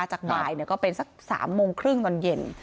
จากบ่ายก็เป็นสัก๓โมงครึ่งตอนเย็น